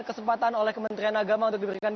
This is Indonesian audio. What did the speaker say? kesempatan oleh kementerian agama untuk diberikan